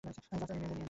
যার যা চাই, নিয়ে নে।